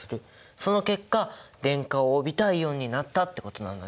その結果電荷を帯びたイオンになったってことなんだね！